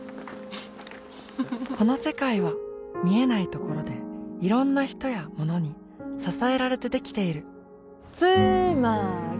この世界は見えないところでいろんな人やものに支えられてできているつーまーり！